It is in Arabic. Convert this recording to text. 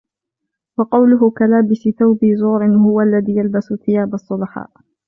وَقَوْلُهُ كَلَابِسِ ثَوْبَيْ زُورٍ هُوَ الَّذِي يَلْبَسُ ثِيَابَ الصُّلَحَاءِ